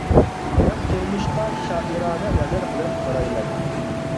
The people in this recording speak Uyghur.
مەن تۇرمۇشقا شائىرانە نەزەر بىلەن قارايمەن.